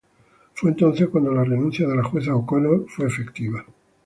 Fue entonces cuando la renuncia de la jueza O'Connor fue efectiva.